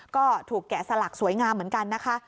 ก็ถูกแกะสลักสวยงามเหมือนกันนะคะ